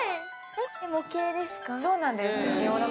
そうなんです。